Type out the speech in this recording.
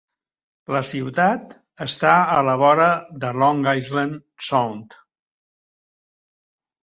La ciutat està a la vora de Long Island Sound.